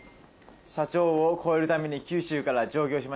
社長を超えるために九州から上京しました。